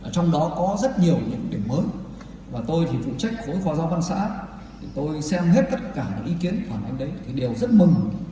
trong đó có rất nhiều những điểm mới và tôi thì phụ trách khối phó giáo văn xã tôi xem hết tất cả những ý kiến phản ánh đấy thì đều rất mừng